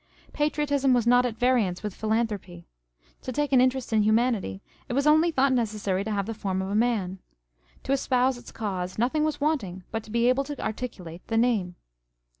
Patriotism was not at variance with philanthropy. To take an interest in humanity, it wras only thought necessary to have the form of a man: to espouse its cause, nothing was wanting but to be able to articulate the name.